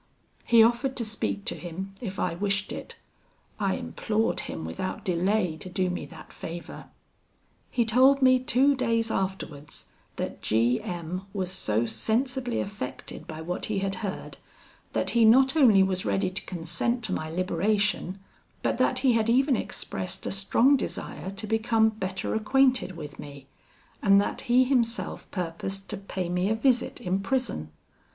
He offered to speak to him, if I wished it. I implored him without delay to do me that favour. "He told me two days afterwards that G M was so sensibly affected by what he had heard, that he not only was ready to consent to my liberation, but that he had even expressed a strong desire to become better acquainted with me, and that he himself purposed to pay me a visit in prison.